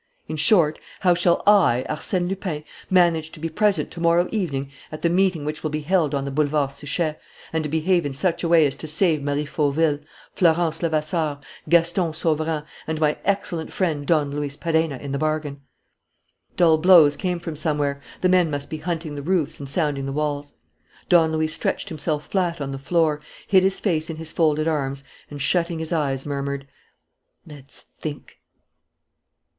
In short, how shall I, Arsène Lupin, manage to be present to morrow evening at the meeting which will be held on the Boulevard Suchet and to behave in such a way as to save Marie Fauville, Florence Levasseur, Gaston Sauverand, and my excellent friend Don Luis Perenna in the bargain?" Dull blows came from somewhere. The men must be hunting the roofs and sounding the walls. Don Luis stretched himself flat on the floor, hid his face in his folded arms and, shutting his eyes, murmured: "Let's think."